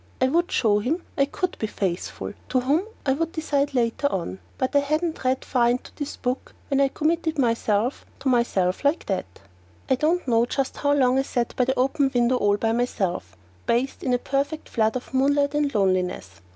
I would show him I could be faithful to whom I would decide later on. But I hadn't read far into this book when I committed myself to myself like that! I don't know just how long I sat by the open window all by myself, bathed in a perfect flood of moonlight and loneliness.